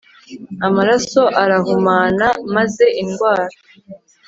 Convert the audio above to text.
Amaraso arahumana maze indwara